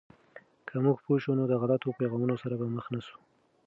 که موږ پوه شو، نو د غلطو پیغامونو سره به مخ نسو.